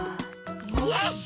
よし！